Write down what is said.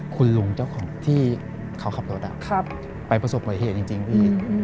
คุณลุงเจ้าของที่เขาขับรถไปประสบบัติเหตุจริงพี่